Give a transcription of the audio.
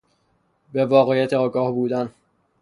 به واقعیتی آگاه بودن